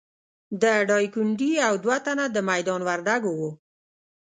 د ډایکنډي او دوه تنه د میدان وردګو وو.